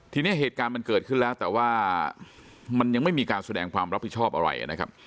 ทีนี้เหตุการณ์มันเกิดขึ้นแล้วแต่ว่ามันยังไม่มีการแสดงความรับผิดชอบอะไรนะครับ